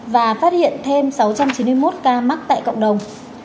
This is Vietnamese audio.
và phát hiện thêm sáu trăm chín mươi một ca mắc tại cộng đồng